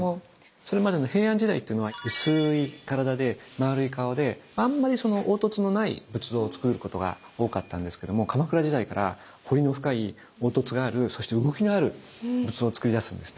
それまでの平安時代っていうのは薄い体で丸い顔であんまり凹凸のない仏像をつくることが多かったんですけども鎌倉時代から彫りの深い凹凸があるそして動きのある仏像を作り出すんですね。